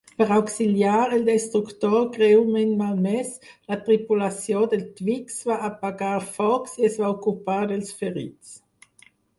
Per auxiliar el destructor greument malmès, la tripulació del "Twiggs" va apagar focs i es va ocupar dels ferits.